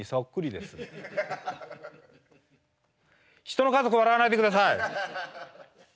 人の家族笑わないでください。